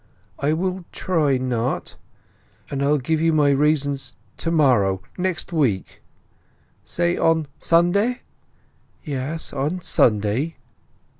"I will try—not! And I'll give you my reasons to morrow—next week." "Say on Sunday?" "Yes, on Sunday."